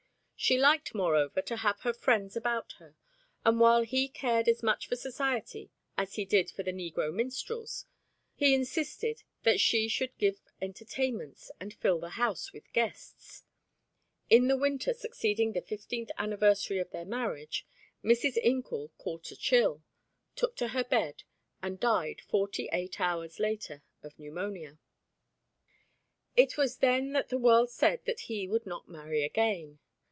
She liked, moreover, to have her friends about her, and while he cared as much for society as he did for the negro minstrels, he insisted that she should give entertainments and fill the house with guests. In the winter succeeding the fifteenth anniversary of their marriage, Mrs. Incoul caught a chill, took to her bed and died, forty eight hours later, of pneumonia. It was then that the world said that he would not marry again.